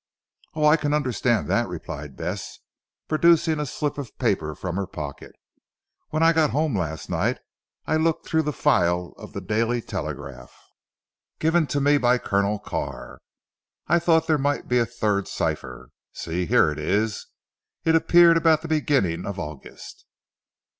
"Oh! I can understand that," replied Bess producing a slip of paper from her pocket, "when I got home last night I looked through the file of the 'Daily Telegraph' given to me by Colonel Carr. I thought there might be a third cipher. See, here it is. It appeared about the beginning of August."